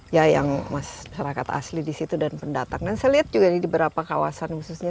ya yang masyarakat asli disitu dan pendatang dan saya lihat juga di beberapa kawasan khususnya